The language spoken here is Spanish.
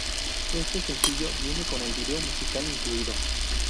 Este sencillo viene con el vídeo musical incluido.